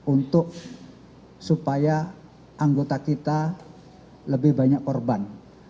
untuk supaya anggota kita lebih banyak korban